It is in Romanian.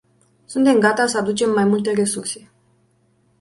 Suntem gata să aducem mai multe resurse.